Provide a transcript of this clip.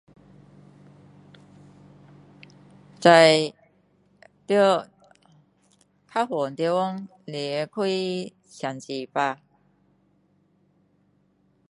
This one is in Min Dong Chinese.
在在较远地方离开城市吧